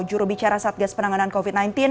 jurubicara satgas penanganan covid sembilan belas